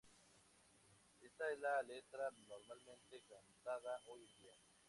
Esta es la letra normalmente cantada hoy en día.